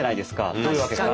どういうわけか。